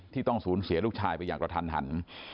ที่ต้องสูญเสียลูกชายไปอย่างระทัน